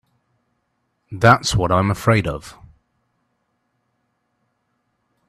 That's what I'm afraid of.